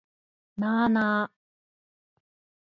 なあなあ